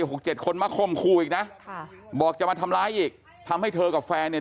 หกเจ็ดคนมาคมคู่อีกนะค่ะบอกจะมาทำร้ายอีกทำให้เธอกับแฟนเนี่ย